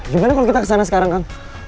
gimana kalau kita kesana sekarang kang